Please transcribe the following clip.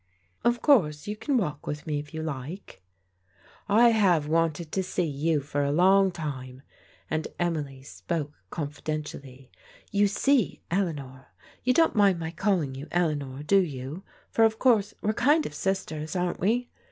" Of course, you can walk with me if you like." " I have wanted to see you for a long time," and Emily Barnes spoke confidentially. "You see, Eleanor, — ^you don't mind my calling you Eleanor, do you, for of course we're kind of sisters, aren't we?